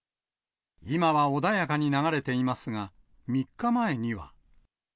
今は穏やかに流れていますが、３日前には。